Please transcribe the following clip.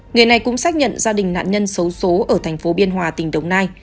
người này cũng xác nhận gia đình nạn nhân xấu xố ở thành phố biên hòa tỉnh đồng nai